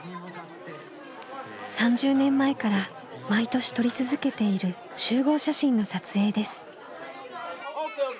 ３０年前から毎年撮り続けている集合写真の撮影です。